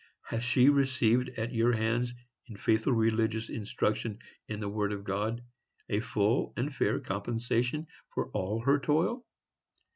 Has she received at your hands, in faithful religious instruction in the Word of God, a full and fair compensation for all her toil?